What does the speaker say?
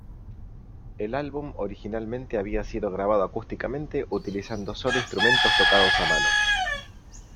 El álbum originalmente había sido grabado acústicamente utilizando sólo instrumentos tocados a mano.